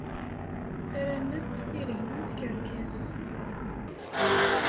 Ttarran-as-d tiregwa n tkerkas.